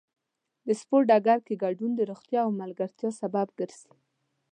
د سپورت ډګر کې ګډون د روغتیا او ملګرتیا سبب ګرځي.